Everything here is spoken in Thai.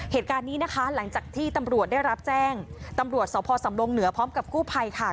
เหตุการณ์นี้นะคะหลังจากที่ตำรวจได้รับแจ้งตำรวจสพสำรงเหนือพร้อมกับกู้ภัยค่ะ